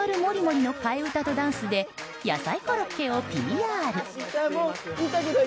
その替え歌とダンスで野菜コロッケをＰＲ。